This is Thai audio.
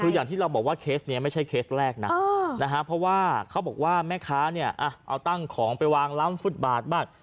คืออย่างที่เราบอกว่าเคสนี้ไม่ใช่เคสแรกนะเพราะว่าเขาบอกว่าแม่ค้าเนี่ยเอาตั้งของไปวางล้ำฟุตบาทบ้าง